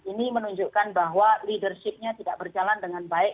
ini menunjukkan bahwa leadership nya tidak berjalan dengan baik